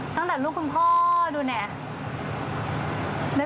ตั้งแต่ลูกคุณพ่อดูเนี่ย